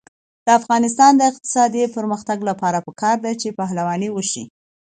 د افغانستان د اقتصادي پرمختګ لپاره پکار ده چې پهلواني وشي.